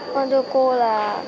lên đi con